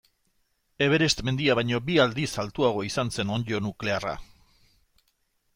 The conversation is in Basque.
Everest mendia baino bi aldiz altuagoa izan zen onddo nuklearra.